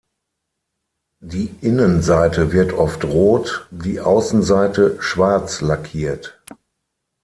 Die Innenseite wird oft rot, die Außenseite schwarz lackiert.